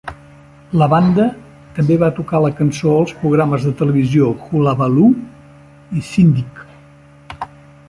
La banda també va tocar la cançó als programes de televisió "Hullabaloo" i "Shindig!